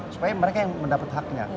supaya mereka yang mendapat haknya